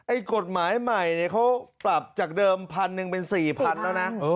กฎหมายใหม่เนี่ยเขาปรับจากเดิมพันหนึ่งเป็น๔๐๐แล้วนะ